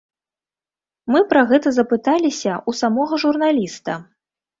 Мы пра гэта запыталіся ў самога журналіста.